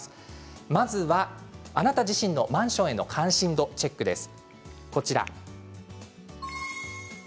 まずは、あなた自身のマンションへの関心度チェックです。